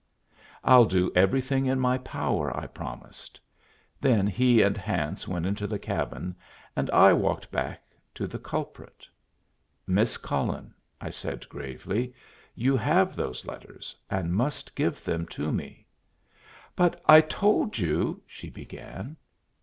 "I'll do everything in my power," I promised. Then he and Hance went into the cabin, and I walked back to the culprit. "Miss Cullen," I said, gravely, "you have those letters, and must give them to me." "But I told you " she began.